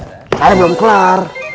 saya belum kelar